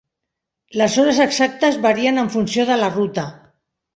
Les hores exactes varien en funció de la ruta.